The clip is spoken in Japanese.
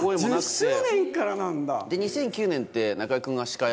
１０周年からなんだ。